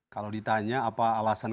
kalau ditanya apa alasan